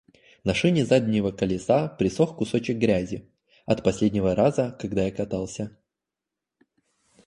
На шине заднего колеса присох кусочек грязи — от последнего раза, когда я катался.